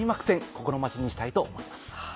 心待ちにしたいと思います。